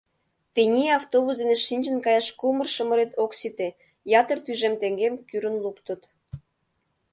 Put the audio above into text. Тений автобус дене шинчын каяш кумыр-шымырет ок сите, ятыр тӱжем теҥгем кӱрын луктыт.